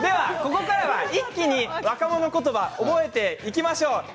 ここからは一気に若者言葉、覚えていきましょう。